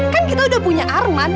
kan kita udah punya arman